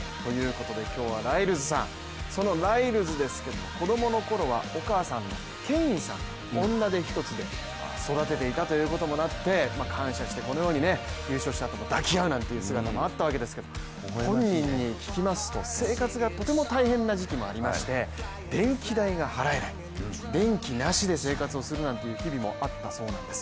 今日はライルズさんそのライルズですけれども子供のころはお母さんのケインさん女手一つで育てていたということもあって感謝してこのように優勝したあとも抱き合う姿もあったわけですけれども本人に聞きますと、生活がとても大変な時期もありまして電気代が払えない、電気なしで生活するなんて日々もあったそうなんです。